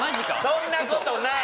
そんなことない！